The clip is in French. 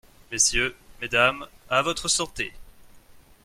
Messieurs, Mesdames, à votre santé.